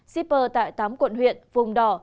shipper tại tám quận huyện vùng đỏ